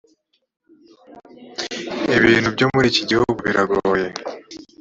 ibintu byo muri iki gihugu biragoye